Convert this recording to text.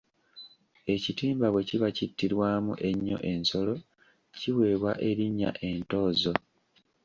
Ekitimba bwe kiba kittirwamu nnyo ensolo kiweebwa erinnya Entoozo.